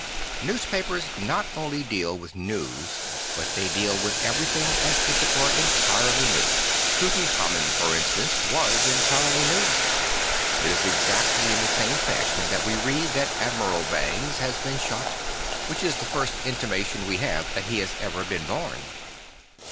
Newspapers not only deal with news, but they deal with everything as if it were entirely new. Tutankamen, for instance, was entirely new. It is exactly in the same fashion that we read that Admiral Bangs has been shot, which is the first intimation we have that he has ever been born.